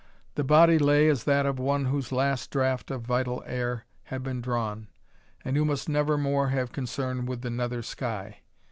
The body lay as that of one whose last draught of vital air had been drawn, and who must never more have concern with the nether sky.